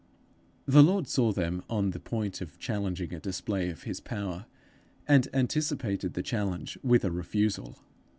The Lord saw them on the point of challenging a display of his power, and anticipated the challenge with a refusal.